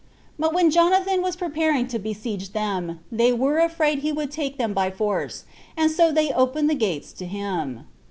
But when Jonathan was preparing to besiege them, they were afraid he would take them by force, and so they opened the gates to him.